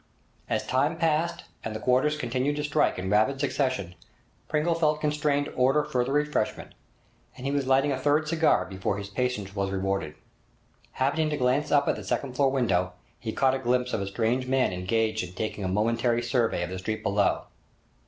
As time passed and the quarters continued to strike in rapid succession, Pringle felt constrained to order further refreshment; and he was lighting a third cigar before his patience was rewarded. Happening to glance up at the second floor window, he caught a glimpse of a strange man engaged in taking a momentary survey of the street below.